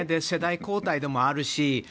世代交代でもあるし。